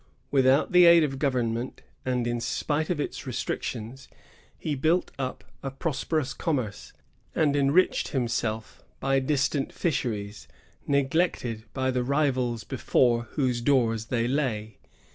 Without the aid of government, and in spite of its restrictions, he built up a prosperous commerce, and enriched himself by distant fisheries, neglected by the rivals before whose doors they lay.